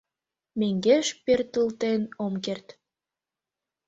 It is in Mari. Мӧҥгеш пӧртылтен ом керт.